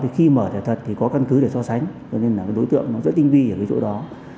khi mở thẻ thật thì có căn cứ để so sánh cho nên đối tượng rất tinh vi ở chỗ đó